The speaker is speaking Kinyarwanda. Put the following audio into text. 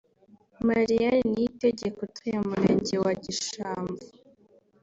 Mariane Niyitegeka utuye mu murenge wa Gishamvu